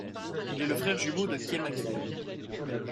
Il est le frère jumeau de Kei Makino.